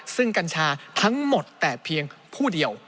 ซึ่งกัญชาทั้งหมดแต่เพียงผู้เดียว